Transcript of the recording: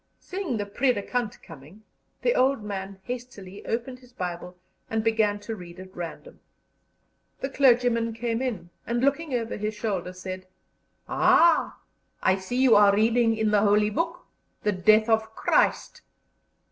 Seeing the "predicant" coming, the old man hastily opened his Bible and began to read at random. The clergyman came in, and, looking over his shoulder, said: "Ah! I see you are reading in the Holy Book the death of Christ."